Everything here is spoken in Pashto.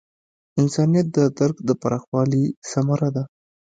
انسانیت د درک د پراخوالي ثمره ده.